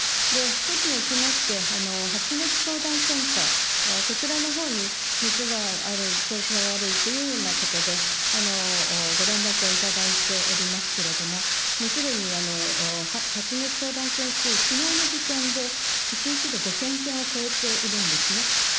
都におきまして、発熱相談センター、こちらのほうに熱がある、調子が悪いというようなことで、ご連絡をいただいておりますけれども、もうすでに発熱相談件数、きのうの時点で、１日で５０００件を超えているんですね。